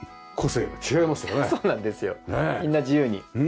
みんな自由に。